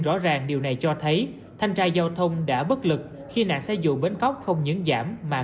rõ ràng điều này cho thấy thanh tra giao thông đã bất lực khi nạn xe dù bến cóc không những giảm mà